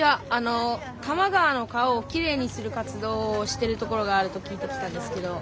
多摩川の川をきれいにする活動をしてるところがあると聞いて来たんですけど。